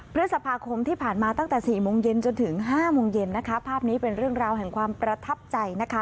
พฤษภาคมที่ผ่านมาตั้งแต่สี่โมงเย็นจนถึงห้าโมงเย็นนะคะภาพนี้เป็นเรื่องราวแห่งความประทับใจนะคะ